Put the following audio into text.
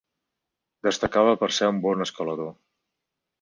Destacava per ser un bon escalador.